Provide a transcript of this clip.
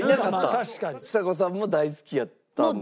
ちさ子さんも大好きやったんですね